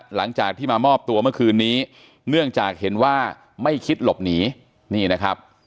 หลังจากที่มามอบตัวเมื่อคืนนี้เนื่องจากเห็นว่าไม่คิดหลบหนีนี่นะครับ